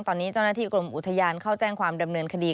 ตอนนี้เจ้าหน้าที่กรมอุทยานเข้าแจ้งความดำเนินคดี